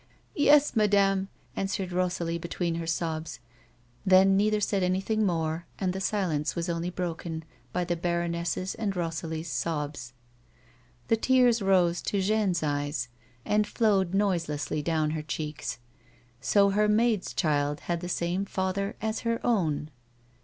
"Yes, madame," answered Rosalie, between her sobs. Then neither said anything more, and the silence was only broken by the baroness's and Rosalie's sobs. The tears rose to Jeanne's eyes, and flowed noiselessly down her cheeks. So her maid's child had the same father as her own